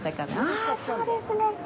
あ、そうですね。